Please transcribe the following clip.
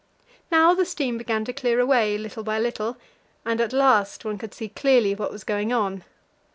Now the steam began to clear away little by little, and at last one could see clearly what was going on.